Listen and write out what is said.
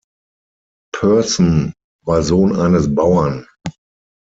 Pehrsson war Sohn eines Bauern.